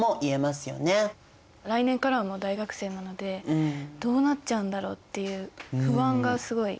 来年からはもう大学生なのでどうなっちゃうんだろうっていう不安がすごい。